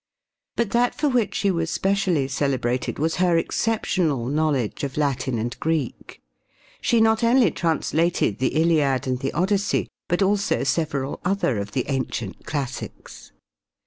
But that for which she was specially celebrated was her exceptional knowledge of Latin and Greek. She not only translated the Iliad and the Odyssey but also several other of the ancient classics.